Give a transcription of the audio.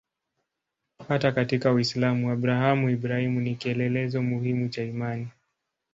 Hata katika Uislamu Abrahamu-Ibrahimu ni kielelezo muhimu cha imani.